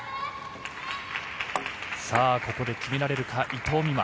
ここで決められるか、伊藤美誠。